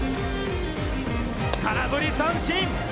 空振り三振。